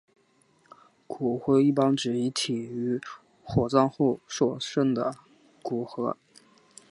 骨灰一般指遗体于火葬后所剩余的遗骸。